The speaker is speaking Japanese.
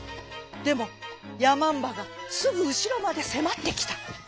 でもやまんばがすぐうしろまでせまってきた。